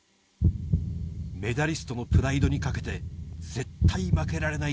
メダリストのプライドにかけて、絶対負けられない